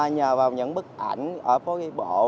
nhờ vào những bức ảnh ở phố ghi bộ